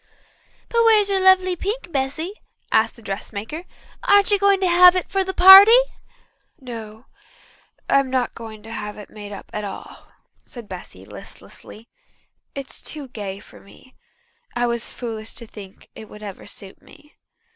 "But where is your lovely pink, Bessy?" asked the dressmaker. "Aren't you going to have it for the party?" "No, I'm not going to have it made up at all," said Bessy listlessly. "It's too gay for me. I was foolish to think it would ever suit me.